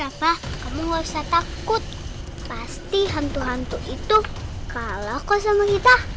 apa kamu nggak usah takut pasti hantu hantu itu kalau kau sama kita